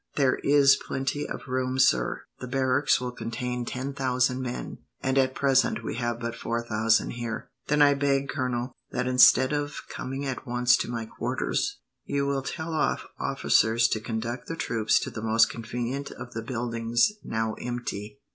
"There is plenty of room, sir. The barracks will contain ten thousand men, and at present we have but four thousand here." "Then I beg, Colonel, that instead of coming at once to my quarters, you will tell off officers to conduct the troops to the most convenient of the buildings now empty.